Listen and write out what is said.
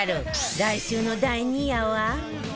来週の第二夜は